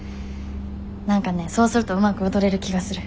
何かねそうするとうまく踊れる気がする。